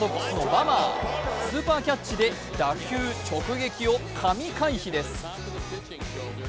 ホワイトソックスのバマースーパーキャッチで打球直撃を神回避です。